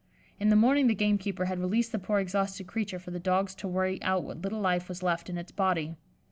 In the morning the gamekeeper had released the poor exhausted creature for the dogs to worry out what little life was left in its body.